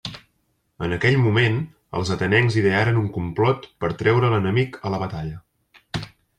En aquell moment els atenencs idearen un complot per treure l'enemic a la batalla.